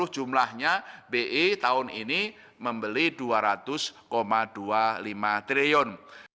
jumlahnya bi tahun ini membeli dua ratus dua puluh lima triliun